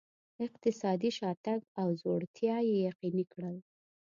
اقتصادي شاتګ او ځوړتیا یې یقیني کړل.